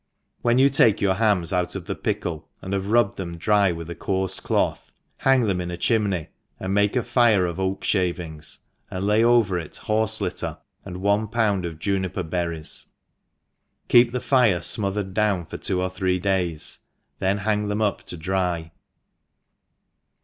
WHEN you take your hams out of the pic kle, and have rubbed them dry with a coarfe cloth, hang them in a chimney, and make a fire of oak ihavings, and lay over it horfe litter, and one pound of juniper berries, keep the fire fmo thered down for two or three days^ and then hang them up to dry.